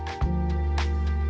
teknologi ini dinamakan biorock